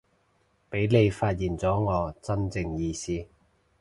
畀你發現咗我真正意思